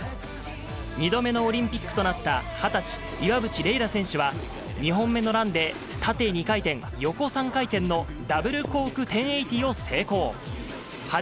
２度目のオリンピックとなった２０歳、岩渕麗楽選手は２本目のランで、縦２回転、横３回転のダブルコーク１０８０を成功。